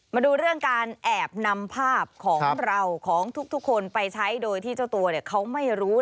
มาดูเรื่องการแอบนำภาพของเราของทุกคนไปใช้โดยที่เจ้าตัวเขาไม่รู้